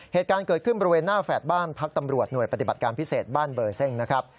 เหตุการณ์เกิดขึ้นบริเวณหน้าแฝดบ้านพักตำรวจหน่วยปฏิบัติการพิเศษบ้านเบอร์เซ่งนะครับ